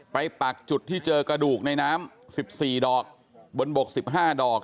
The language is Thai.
ปักจุดที่เจอกระดูกในน้ำ๑๔ดอกบนบก๑๕ดอก